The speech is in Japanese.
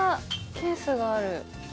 ケースがある。